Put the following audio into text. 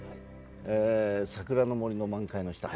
「桜の森の満開の下」